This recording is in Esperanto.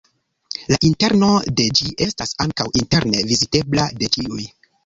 La interno de ĝi estas ankaŭ interne vizitebla de ĉiuj.